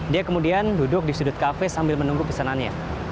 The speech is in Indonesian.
dia kemudian duduk di sudut kafe sambil menunggu pesanannya